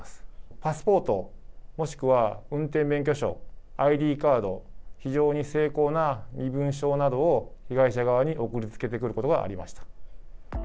パスポート、もしくは運転免許証、ＩＤカード、非常に精巧な身分証などを被害者側に送りつけてくることがありました。